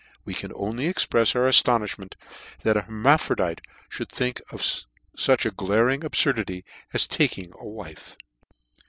We can only exprefs our aftonimment that an hermaphrodite mould think of fuch a glaring ab furdity as the taking a wife